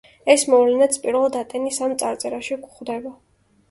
ეს მოვლენაც პირველად ატენის ამ წარწერაში გვხვდება.